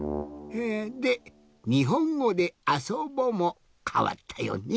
で「にほんごであそぼ」もかわったよね。